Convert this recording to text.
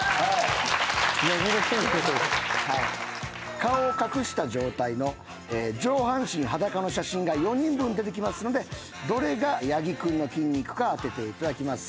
顔を隠した状態の上半身裸の写真が４人分出てきますのでどれが八木君の筋肉か当てていただきます。